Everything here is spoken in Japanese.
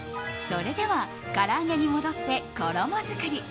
それでは、から揚げに戻って衣作り。